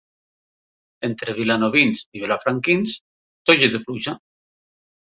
Entre vilanovins i vilafranquins, toll de pluja.